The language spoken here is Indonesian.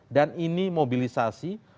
dan ini mobilisasi